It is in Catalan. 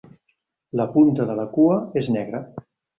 La punta de la cua és negra.